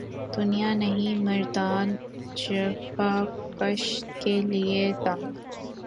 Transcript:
دنیا نہیں مردان جفاکش کے لیے تنگ